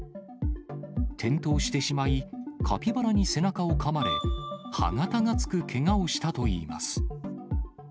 転倒してしまい、カピバラに背中をかまれ、歯形がつくけがをしたといいます。